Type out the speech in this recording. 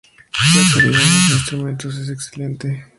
La calidad de los instrumentos es excelente.